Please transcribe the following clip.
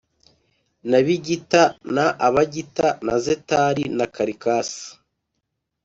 na Bigita na Abagita na Zetari na Karikas